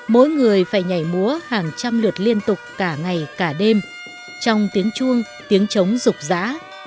mỗi người phải nhảy múa hàng trăm lượt liên tục cả ngày cả đêm trong tiếng chuông tiếng chống rục rã